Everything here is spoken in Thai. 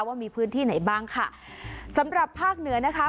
ว่ามีพื้นที่ไหนบ้างค่ะสำหรับภาคเหนือนะคะ